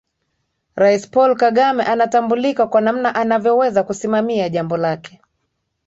Rais Paul Kagame anatambulika kwa namna anavyoweza kusimamia jambo lake